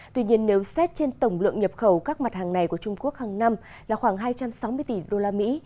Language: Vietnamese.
tuy nhiên nếu xét trên tổng lượng nhập khẩu các mặt hàng này của trung quốc hàng năm là khoảng hai trăm sáu mươi tỷ usd